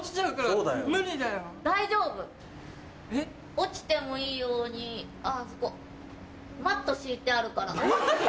落ちてもいいようにあぁあそこマット敷いてあるから。